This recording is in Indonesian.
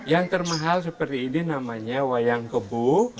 yang termahal seperti ini namanya wayang kebu